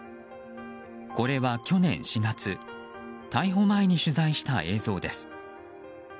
これは去年４月逮捕前に取材した映像です。